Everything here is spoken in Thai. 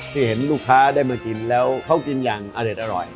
ที่เห็นลูกค้าได้มากินแล้วเขากินอย่างอเด็ดอร่อย